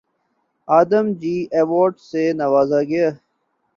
آدم جی award سے نوازا گیا